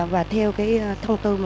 và theo thông tư một trăm ba mươi một